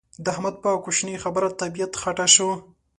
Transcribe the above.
د احمد په کوشنۍ خبره طبيعت خټه شو.